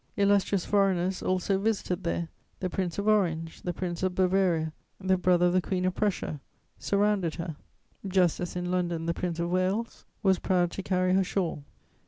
Illustrious foreigners also visited there: the Prince of Orange, the Prince of Bavaria, the brother of the Queen of Prussia surrounded her, just as in London the Prince of Wales was proud to carry her shawl.